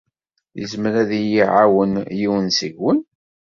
Yezmer ad iyi-iɛawen yiwen seg-wen?